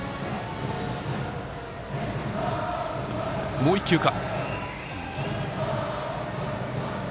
もう１球か。